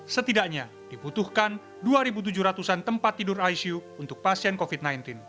setidaknya dibutuhkan dua tujuh ratus an tempat tidur icu untuk pasien covid sembilan belas